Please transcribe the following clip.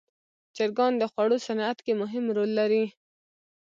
چرګان د خوړو صنعت کې مهم رول لري.